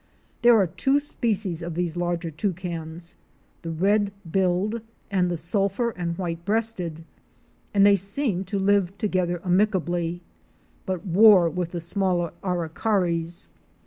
There are two species of these larger Toucans, the Red billed and the Sulphur and White breasted," and they seem to live together amicably, but war with the small Aracaris.